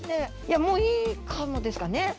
もういいかもですかね。